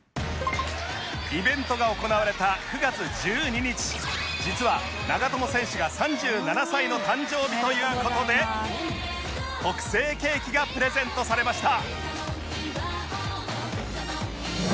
イベントが行われた９月１２日実は長友選手が３７歳の誕生日という事で特製ケーキがプレゼントされました